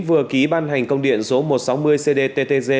vừa ký ban hành công điện số một trăm sáu mươi cdttg